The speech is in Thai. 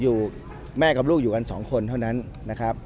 อยู่แม่กับลูกอยู่กันสองคนเท่านั้นนะครับ